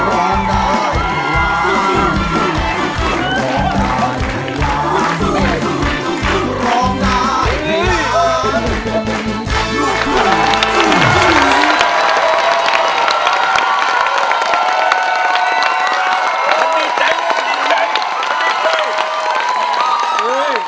ร้องได้แบบนี้รับราคาสองหมื่น